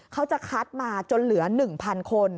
เขาจะคัดมาจนเหลือ๑๐๐คน